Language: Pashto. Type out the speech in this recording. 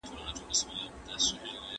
یوه ماشوم ویل بابا خان څه ګناه کړې وه؟